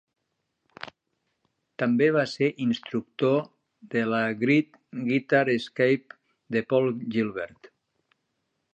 També va ser instructor de la Great Guitar Escape de Paul Gilbert.